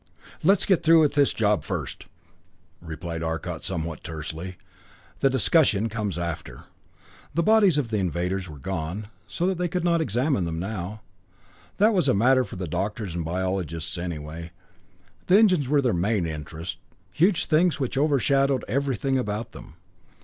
"Let's get through with this job first," replied Arcot somewhat tersely. "The discussion comes after." The bodies of the invaders were gone, so they could not examine them now. That was a matter for the doctors and biologists, anyway. The engines were their main interest, huge things which overshadowed everything about them.